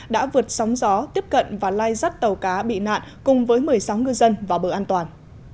đã vượt sóng gió tiếp cận và lai rắt tàu cá bị nạn cùng với một mươi sáu ngư dân vào bờ an toàn